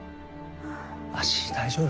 脚大丈夫？